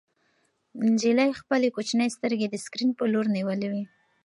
نجلۍ خپلې کوچنۍ سترګې د سکرین په لور نیولې وې.